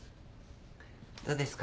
どうですか？